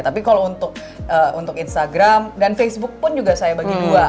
tapi kalau untuk instagram dan facebook pun juga saya bagi dua